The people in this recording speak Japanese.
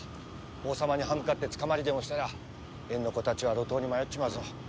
王様に刃向かって捕まりでもしたら園の子たちは路頭に迷っちまうぞ。